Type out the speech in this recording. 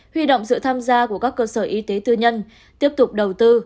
huy động sự tham gia của các cơ sở y tế tư nhân tiếp tục đầu tư